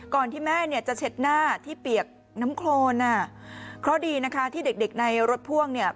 ที่แม่เนี่ยจะเช็ดหน้าที่เปียกน้ำโครนอ่ะเพราะดีนะคะที่เด็กเด็กในรถพ่วงเนี่ย